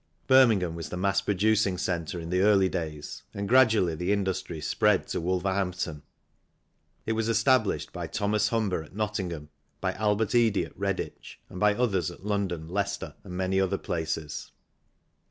Birmingham was the mass producing centre in the early days, and gradually the industry spread to Wolverhampton. It was established by Thos. Humber at Nottingham, by Albert Eadie at Redditch, and by others at London, Leicester, and many other places.